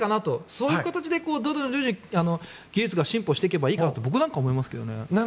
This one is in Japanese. そういう形で徐々に技術が進歩していけばいいかなと僕は思いますけどね。